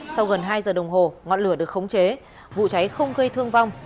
sau gần hai giờ đồng hồ ngọn lửa được khống chế vụ cháy không gây thương vong